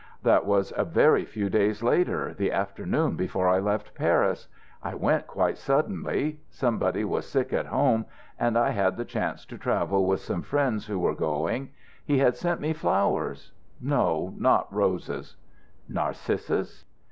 "That was a few days later, the afternoon before I left Paris. I went quite suddenly. Somebody was sick at home, and I had the chance to travel with some friends who were going. He had sent me flowers no, not roses." "Narcissus?"